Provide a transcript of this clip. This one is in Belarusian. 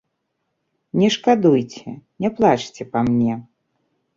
Не шкадуйце, не плачце па мне.